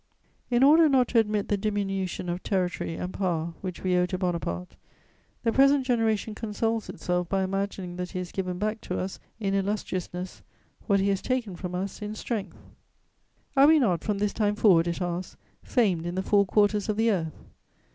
* In order not to admit the diminution of territory and power which we owe to Bonaparte, the present generation consoles itself by imagining that he has given back to us in illustriousness what he has taken from us in strength: "Are we not from this time forward," it asks, "famed in the four quarters of the earth?